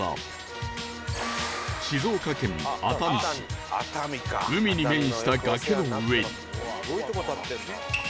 静岡県熱海市海に面した崖の上に